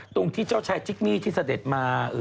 ตรงที่เจ้าชายจิกมี่ที่เสด็จมา